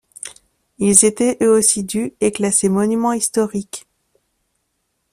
Ils étaient eux aussi du et classés monument historique.